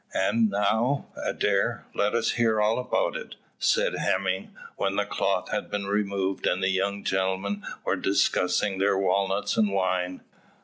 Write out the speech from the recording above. "And now, Adair, let us hear all about it," said Hemming, when the cloth had been removed and the young gentlemen were discussing their walnuts and wine.